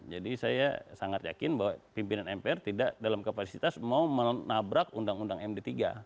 jadi saya sangat yakin bahwa pimpinan mpr tidak dalam kapasitas mau menabrak undang undang md tiga